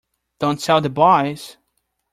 Don't tell the boys!